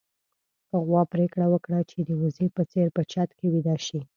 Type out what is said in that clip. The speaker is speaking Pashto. غوا پرېکړه وکړه چې د وزې په څېر په چت کې ويده شي.